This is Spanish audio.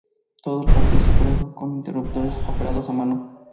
Todo el patio es operado con interruptores operados a mano.